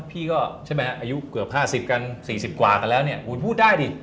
พี่ก็อายุเกือบ๕๐กัน๔๐กว่ากันแล้วพูดได้ดิ